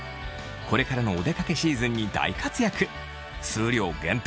これからのお出かけシーズンに大活躍数量限定